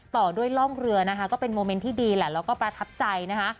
ต่อด้วยร่องเรือนะคะก็เป็นโมเมนต์ที่ดีแหละแล้วก็ประทับใจนะคะ